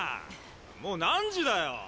もう何時だよ！？